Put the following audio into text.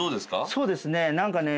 そうですね。